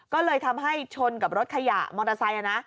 ก็เลยทำให้ชนกับรถขยะมอเตอร์ไซค์นะ